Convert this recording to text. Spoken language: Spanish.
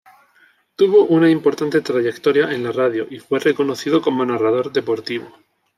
Tuvo una importante trayectoria en la radio y fue reconocido como narrador deportivo.